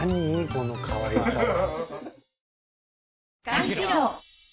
このかわいさは。